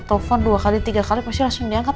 telepon dua kali tiga kali pasti langsung diangkat